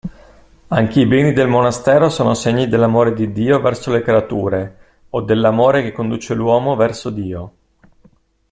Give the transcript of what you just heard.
Anche i beni del monastero sono segni dell'amore di Dio verso le creature, o dell'amore che conduce l'uomo verso Dio.